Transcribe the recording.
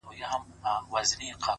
دا يې د ميــــني تـرانـــه ماته كــړه ـ